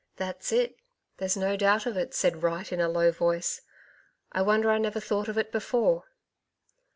•' That's it, there's no doubt of it," said Wright in a low voice. ''I wonder I never thought of it before."